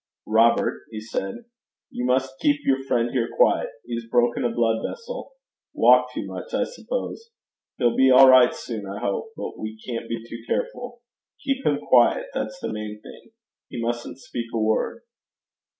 'Robert,' he said, 'you must keep your friend here quiet. He's broken a blood vessel walked too much, I suppose. He'll be all right soon, I hope; but we can't be too careful. Keep him quiet that's the main thing. He mustn't speak a word.'